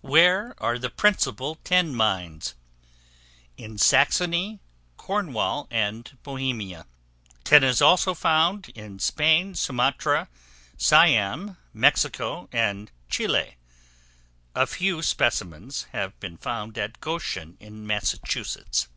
Where are the principal Tin Mines? In Saxony, Cornwall, and Bohemia. Tin is also found in Spain, Sumatra, Siam, Mexico, and Chili. A few specimens have been found at Goshen, in Massachusetts.